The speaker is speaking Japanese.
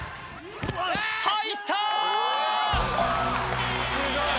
入ったー！